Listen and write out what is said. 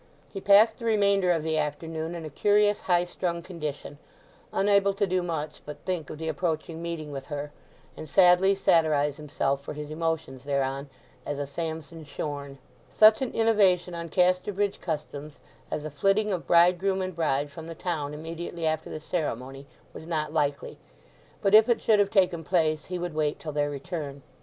He passed the remainder of the afternoon in a curious highstrung condition, unable to do much but think of the approaching meeting with her, and sadly satirize himself for his emotions thereon, as a Samson shorn. Such an innovation on Casterbridge customs as a flitting of bridegroom and bride from the town immediately after the ceremony, was not likely, but if it should have taken place he would wait till their return.